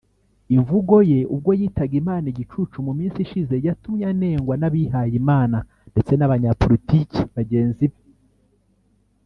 Imvugo ye ubwo yitaga Imana igicucu mu minsi ishize yatumye anengwa n’abihayimana ndetse n’abanyapolitiki bagenzi be